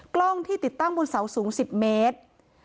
กล้องที่ติดตั้งบนเสาสูง๑๐เมตร